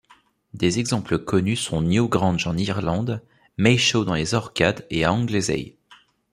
Des exemples connus sont Newgrange en Irlande, Maeshowe dans les Orcades et à Anglesey.